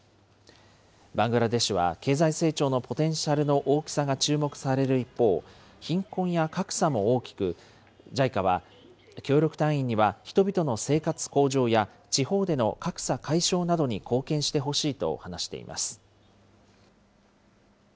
バングラデシュは経済成長のポテンシャルの大きさが注目される一方、貧困や格差も大きく、ＪＩＣＡは協力隊員には、人々の生活向上や、地方での格差解消などに貢献してほしいと話しています。